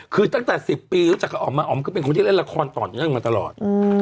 คือตั้งแต่๑๐ปีรู้จักกับอ๋อมมาอ๋อมก็เป็นคนที่เล่นละครต่อเนื่องมาตลอด